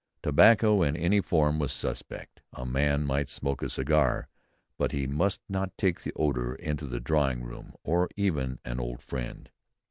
Tobacco in any form was suspect. A man might smoke a cigar, but he must not take the odour into the drawing room of even an old friend.